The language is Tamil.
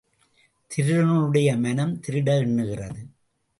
திருடனுடைய மனம் திருட எண்ணுகிறது.